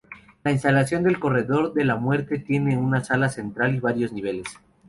La instalación del corredor de la muerte tiene una sala central y varios niveles.